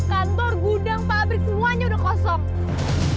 kantor gudang pabrik semuanya udah kosong